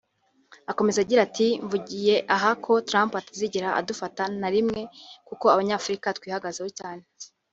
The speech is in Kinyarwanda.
Akomeza agira ati “Mvugiye aha ko Trump atazigera adufata na rimwe kuko Abanyafurika twihagazeho cyane